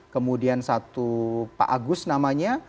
kemudian satu pak agus namanya